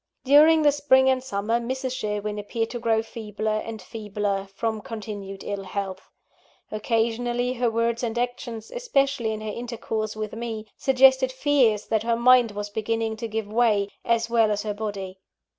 During the spring and summer, Mrs. Sherwin appeared to grow feebler and feebler, from continued ill health. Occasionally, her words and actions especially in her intercourse with me suggested fears that her mind was beginning to give way, as well as her body.